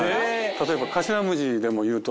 例えば。あ。